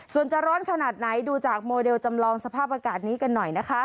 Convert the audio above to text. ส่วนจะร้อนขนาดไหนดูจากโมเดลจำลองสภาพอากาศนี้กันหน่อยนะคะ